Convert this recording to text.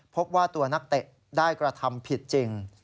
พบว่าตัวนักเตะได้กระทำผิดจริง